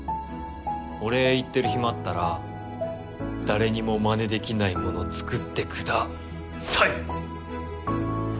お礼言ってる暇あったら誰にもマネできないもの作ってください！